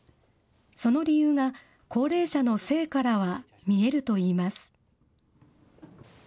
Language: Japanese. その理由が高齢者の性からは見えるといいます。